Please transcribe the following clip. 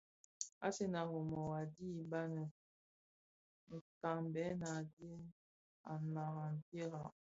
Asen a Rimoh a dhi kaňbèna a dhiaèn bi naa i mpiera.